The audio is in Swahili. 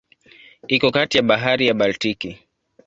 Iko kati ya Bahari ya Baltiki.